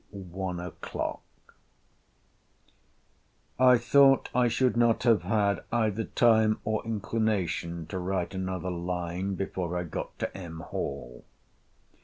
ONE O'CLOCK. I thought I should not have had either time or inclination to write another line before I got to M. Hall.